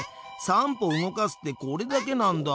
「３歩動かす」ってこれだけなんだ。